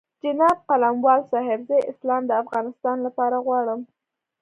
جناب قلموال صاحب زه اسلام د افغانستان لپاره غواړم.